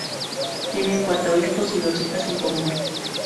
Tienen cuatro hijos y dos hijas en común.